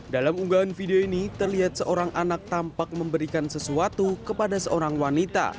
dalam unggahan video ini terlihat seorang anak tampak memberikan sesuatu kepada seorang wanita